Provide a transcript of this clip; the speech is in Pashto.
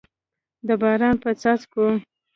د باران په څاڅکو